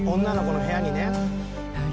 女の子の部屋にね。